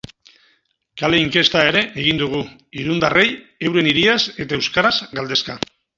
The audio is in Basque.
Kale inkesta ere egin dugu irundarrei euren hiriaz eta euskaraz galdezka.